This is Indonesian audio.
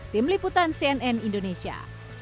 tim liputan cnn indonesia